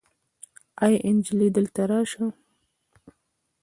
آې انجلۍ دلته راسه